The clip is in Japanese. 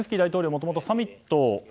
もともと、サミット